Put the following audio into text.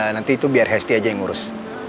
nanti itu biar hesti aja yang ngurus